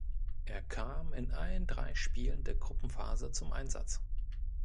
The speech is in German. Er kam in allen drei Spielen der Gruppenphase zum Einsatz.